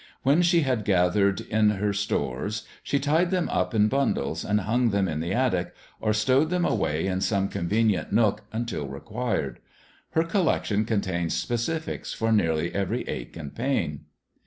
When she had gathered in her stores, she tied them up in bundles and hung them up in the attic, or stowed them away in some convenient nook until required. Her collection contained specifics for nearly every ache and pain.